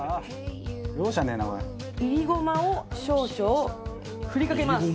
煎りごまを少々振りかけます。